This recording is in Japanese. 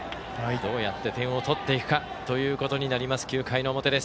どうやって点を取っていくかということになります、９回表。